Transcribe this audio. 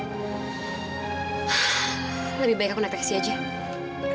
lebih baik aku nak taksi aja